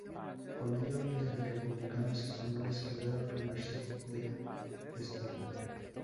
Con ello, miles de republicanos españoles quedaron a merced de la Gestapo.